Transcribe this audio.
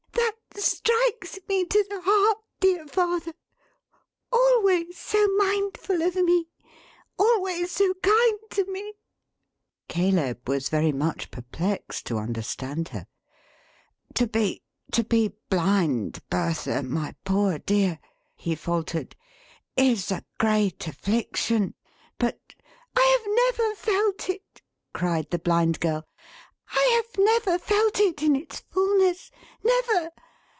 "That strikes me to the heart, dear father! Always so mindful of me! Always so kind to me!" Caleb was very much perplexed to understand her. "To be to be blind, Bertha, my poor dear," he faltered, "is a great affliction; but " "I have never felt it!" cried the Blind Girl. "I have never felt it, in its fulness. Never!